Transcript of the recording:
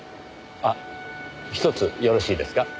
あっひとつよろしいですか？